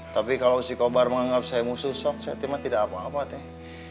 tapi kalau si kobar menganggap saya musuh sok saya terima tidak apa apa teh